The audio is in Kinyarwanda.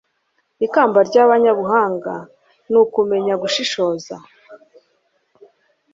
Ikamba ry’abanyabuhanga ni ukumenya gushishoza